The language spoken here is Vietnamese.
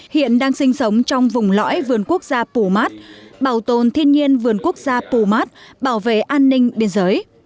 hiện đang sinh sống trong vùng lõi vườn quốc gia pù mát bảo tồn thiên nhiên vườn quốc gia pù mát bảo vệ an ninh biên giới